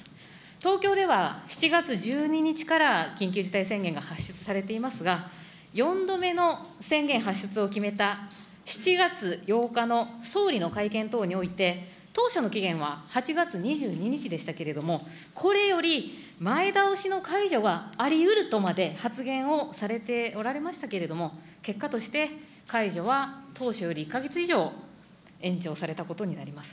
東京では７月１２日から緊急事態宣言が発出されていますが、４度目の宣言発出を決めた７月８日の総理の会見等において、当初の期限は８月２２日でしたけれども、これより前倒しの解除がありうるとまで発言をされておられましたけれども、結果として解除は当初より１か月以上延長されたことになります。